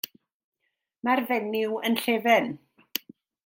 Mae'r fenyw yn llefen.